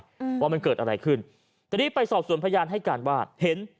อืมว่ามันเกิดอะไรขึ้นทีนี้ไปสอบส่วนพยานให้การว่าเห็น